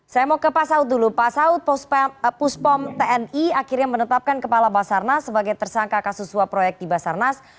saya mau ke pak saud dulu pak saud puspom tni akhirnya menetapkan kepala basarnas sebagai tersangka kasus suap proyek di basarnas